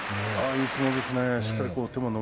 いい相撲ですね